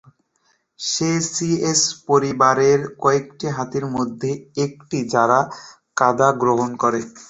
সে শি-এস পরিবারের কয়েকটি হাতির মধ্যে একটি যারা কাদা গ্রহণ করে।